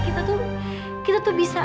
kita tuh bisa kita berteman dengan baik